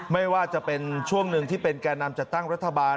ไม่ว่าจะเป็นช่วงหนึ่งที่เป็นแก่นำจัดตั้งรัฐบาล